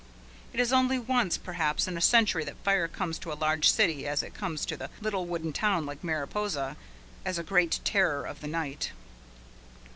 It is only once perhaps in a century that fire comes to a large city as it comes to the little wooden town like Mariposa as a great Terror of the Night.